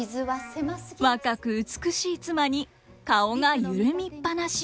若く美しい妻に顔が緩みっぱなし。